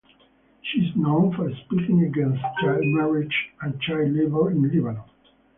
She is known for speaking against child marriage and child labour in Lebanon.